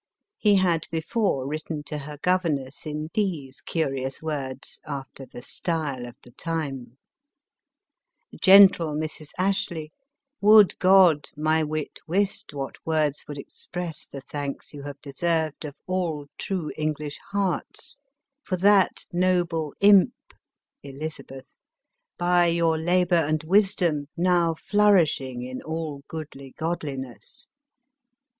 He had before written to her governess in these curious words, after the style of the time : "Gen tle Mrs. Ashley, would God my wit wist what words would express the thanks you have deserved of all true English hearts, for that noble imp (Elizabeth) by your labor and wisdom now flourishing in all goodly godli I ELIZABETH OF ENGLAND. 283 ness.